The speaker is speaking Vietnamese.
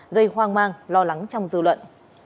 dây hoang mang lo lắng trong dư luận